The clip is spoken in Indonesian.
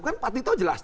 kan pak tito jelas